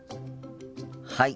はい。